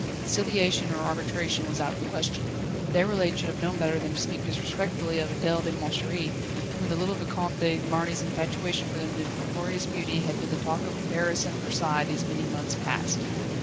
Conciliation or arbitration was out of the question. Déroulède should have known better than to speak disrespectfully of Adèle de Montchéri, when the little Vicomte de Marny's infatuation for the notorious beauty had been the talk of Paris and Versailles these many months past.